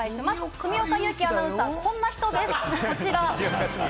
住岡佑樹アナウンサー、こんな人です。